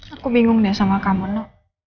aku bingung deh sama kamu lu